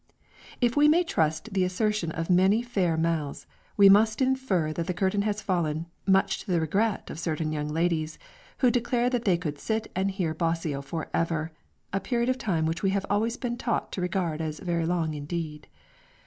If we may trust the assertion of many fair mouths, we must infer that the curtain has fallen, much to the regret of certain young ladies who declare that they could sit and hear Bosio forever a period of time which we have always been taught to regard as very long indeed.